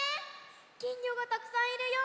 きんぎょがたくさんいるよ。